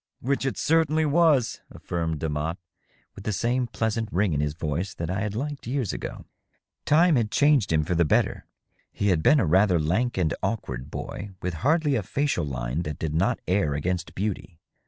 " Which it certainly was," affirmed Demotte, with the same pleasant ring in his voice that I had liked years ago. Time had changed him for the better. He had been a rather lank and awkward boy, with hardly a facial line that did not err against beauty.